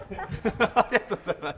ありがとうございます。